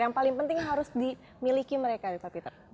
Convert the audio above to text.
yang paling penting harus dimiliki mereka pak peter